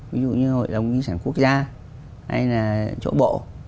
ví dụ như hội đồng kinh doanh quốc gia hay là chỗ bộ